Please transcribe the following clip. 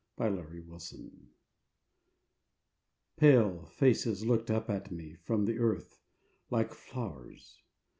AT MOONRISE Pale faces looked up at me, up from the earth, like flowers.